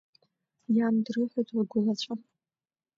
Иан дрыҳәоит лгәылацәа…